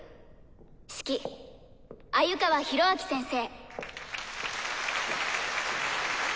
指揮鮎川広明先生。